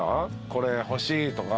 これ欲しいとか。